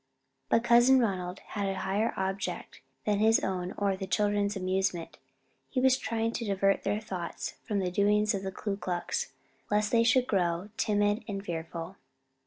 But Cousin Ronald had a higher object than his own or the children's amusement: he was trying to divert their thoughts from the doings of the Ku Klux, lest they should grow timid and fearful.